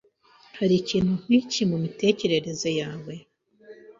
Hari ikindi kintu mumitekerereze yawe?